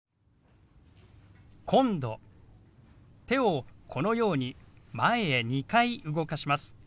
手をこのように前へ２回動かします。